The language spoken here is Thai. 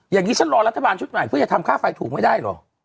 อย่างนี้ฉันรอรัฐบาลชุดใหม่เพื่อจะทำค่าไฟถูกไม่ได้เหรอ